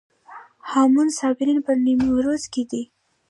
هامون صابري په نیمروز کې دی